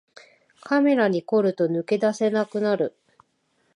カメラに凝ると抜け出せなくなる